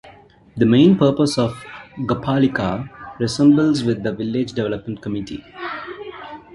The main purpose of Gaupalika resembles with the Village Development Committee.